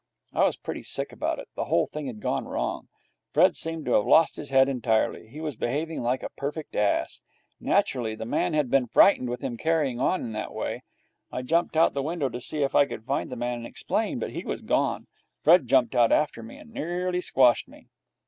I was pretty sick about it. The whole thing had gone wrong. Fred seemed to have lost his head entirely. He was behaving like a perfect ass. Naturally the man had been frightened with him carrying on in that way. I jumped out of the window to see if I could find the man and explain, but he was gone. Fred jumped out after me, and nearly squashed me.